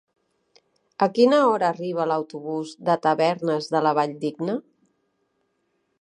A quina hora arriba l'autobús de Tavernes de la Valldigna?